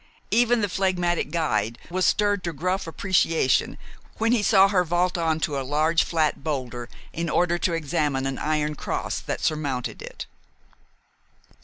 Even the phlegmatic guide was stirred to gruff appreciation when he saw her vault on to a large flat boulder in order to examine an iron cross that surmounted it.